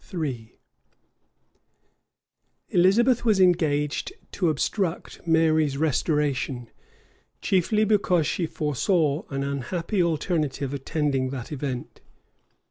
489, Elizabeth was engaged to obstruct Mary's restoration, chiefly because she foresaw an unhappy alternative attending that event.